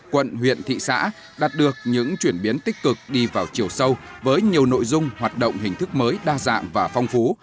quận huyện thị xã đạt được những chuyển biến tích cực đi vào chiều sâu với nhiều nội dung hoạt động hình thức mới đa dạng và phong phú